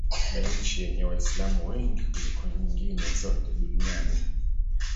Ni nchi yenye Waislamu wengi kuliko nyingine zote duniani.